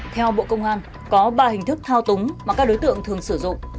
theo bộ công an có ba hình thức thao túng mà các đối tượng thường sử dụng